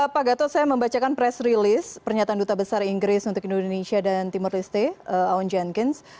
pak gatot saya membacakan press release pernyataan duta besar inggris untuk indonesia dan timur leste aon jenkins